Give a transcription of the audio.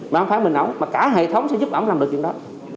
mà không phải mình ông mà cả hệ thống sẽ giúp ông làm được chuyện đó